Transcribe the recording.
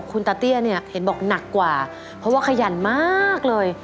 คุณตาเตี้ยเนี่ยเห็นบอกหนักกว่าเพราะว่าขยันมากเลย